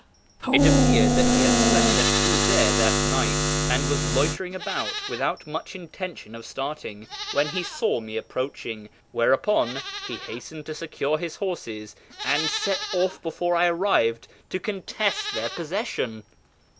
It appeared that he had slept at Puz^ that night, and was loitering about, without much intention of starting, when he saw me approaching ; whereupon he hastened to secure his horses and set off before I arrived to contest their posses sion.